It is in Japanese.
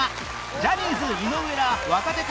ジャニーズ井上ら若手から